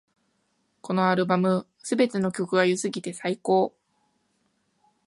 このアルバム、すべての曲が良すぎて最高